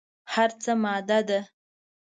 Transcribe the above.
هر څه ماده ده.